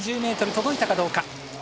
１２０ｍ届いたかどうか。